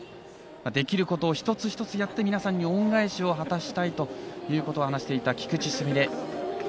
できることを一つ一つやって皆さんに恩返しを果たしたいということを話していた菊池純礼。